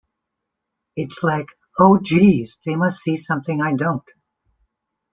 It's like 'oh geez they must see something I don't'.